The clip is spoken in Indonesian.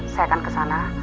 saya akan kesana